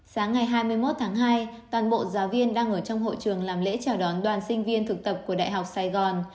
sáng ngày hai mươi một tháng hai toàn bộ giáo viên đang ở trong hội trường làm lễ chào đón đoàn sinh viên thực tập của đại học sài gòn